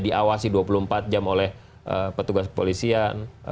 diawasi dua puluh empat jam oleh petugas kepolisian